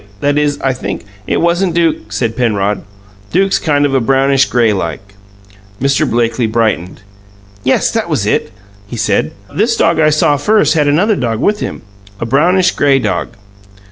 That is, I think " "It wasn't Duke," said Penrod. "Duke's kind of brownish gray like." Mr. Blakely brightened. "Yes, that was it," he said. "This dog I saw first had another dog with him a brownish gray dog."